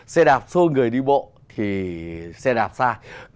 xe đạp xô người đi bộ thì xe đạp pha